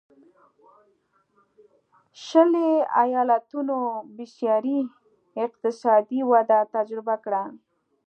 شلي ایالتونو بېسارې اقتصادي وده تجربه کړه.